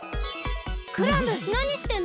クラムなにしてんの？